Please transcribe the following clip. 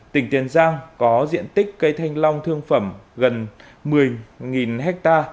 tỉnh tiền giang có diện tích cây thanh long thương phẩm gần một mươi ha